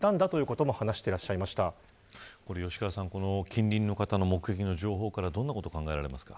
吉川さん、近隣の方の目撃情報からどんなことが考えられますか。